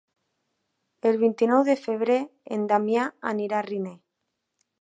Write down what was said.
El vint-i-nou de febrer en Damià anirà a Riner.